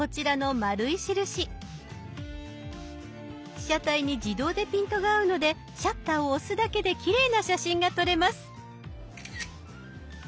被写体に自動でピントが合うのでシャッターを押すだけできれいな写真が撮れます。